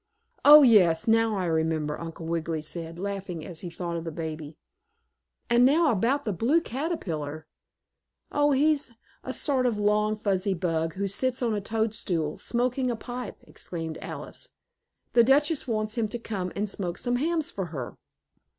"Oh, yes, now I remember," Uncle Wiggily said, laughing as he thought of the baby. "And now about the Blue Caterpillar?" "Oh, he's a sort of long, fuzzy bug, who sits on a toadstool smoking a pipe," explained Alice. "The Duchess wants him to come and smoke some hams for her."